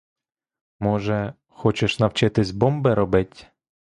Може, хочеш навчитись бомби робить?